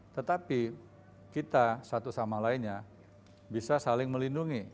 tetapi kita satu sama lainnya bisa saling melindungi